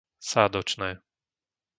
Sádočné